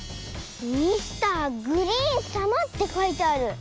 「ミスターグリーンさま」ってかいてある！